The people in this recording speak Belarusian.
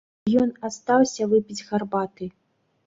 І ён астаўся выпіць гарбаты.